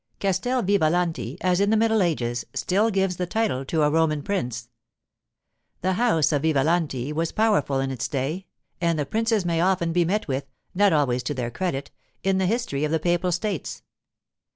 Castel Vivalanti, as in the middle ages, still gives the title to a Roman prince. The house of Vivalanti was powerful in its day, and the princes may often be met with—not always to their credit—in the history of the Papal States.